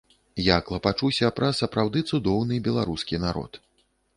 Я клапачуся пра сапраўды цудоўны беларускі народ.